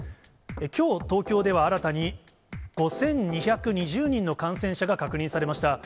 きょう東京では新たに５２２０人の感染者が確認されました。